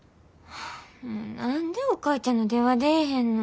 何でお母ちゃんの電話出えへんの。